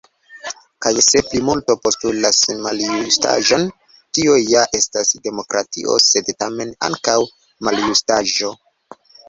Kaj se plimulto postulas maljustaĵon, tio ja estas demokratio, sed, tamen, ankaŭ maljustaĵo.